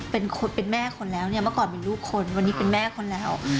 เป็นแม่คนแล้วเมื่อก่อนเป็นลูกคนวันนี้เป็นแม่คนแล้ว